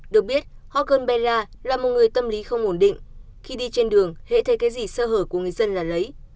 được biết hot girl bella là một người tâm lý không ổn định khi đi trên đường hệ thể cái gì sơ hở của người dân là lấy